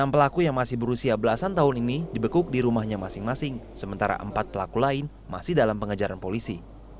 enam pelaku yang masih berusia belasan tahun ini dibekuk di rumahnya masing masing sementara empat pelaku lain masih dalam pengejaran polisi